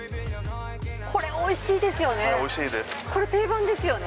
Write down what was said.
これおいしいですよね。